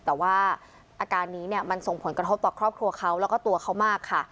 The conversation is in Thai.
แต่ว่าอาการนี้เนี่ยมันส่งผลกระทบต่อครอบครัวเขาแล้วก็ตัวเขามากค่ะ